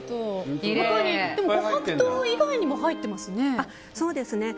琥珀糖以外にも入ってますね。